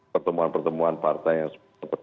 pertemuan pertemuan partai yang sempat disampaikan